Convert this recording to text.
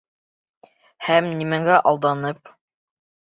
Һәм нимәгә алданып...